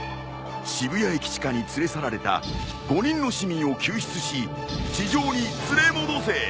渋谷駅地下に連れ去られた５人の市民を救出し地上に連れ戻せ！